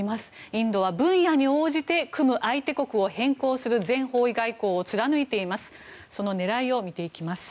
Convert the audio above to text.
インドは分野に応じて組む相手国を変更する全方位外交を貫いています。